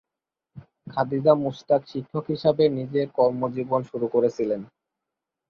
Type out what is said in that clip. খাদিজা মুশতাক শিক্ষক হিসাবে নিজের কর্মজীবন শুরু করেছিলেন।